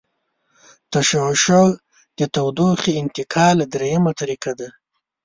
تشعشع د تودوخې انتقال دریمه طریقه ده.